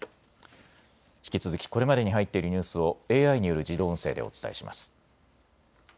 引き続きこれまでに入っているニュースをＡＩによる自動音声でお伝えします。